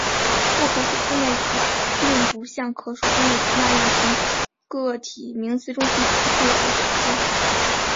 不可数分类词并不像可数分类词那样从个体名词中提取出固有的属性。